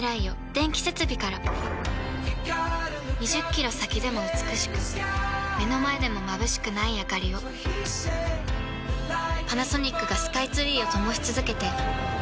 ２０キロ先でも美しく目の前でもまぶしくないあかりをパナソニックがスカイツリーを灯し続けて今年で１０年